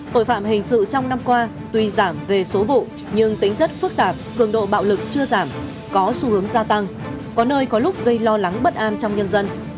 tội phạm hình sự trong năm qua tuy giảm về số vụ nhưng tính chất phức tạp cường độ bạo lực chưa giảm có xu hướng gia tăng có nơi có lúc gây lo lắng bất an trong nhân dân